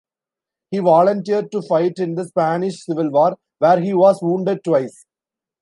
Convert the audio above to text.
He volunteered to fight in the Spanish Civil War, where he was wounded twice.